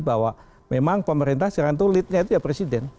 bahwa memang pemerintah sekarang itu leadnya itu ya presiden